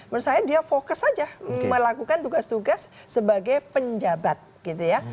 menurut saya dia fokus saja melakukan tugas tugas sebagai penjabat gitu ya